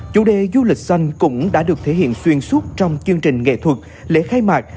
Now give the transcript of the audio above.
chủ đề du lịch xanh cũng đã được thể hiện xuyên suốt trong chương trình nghệ thuật lễ khai mạc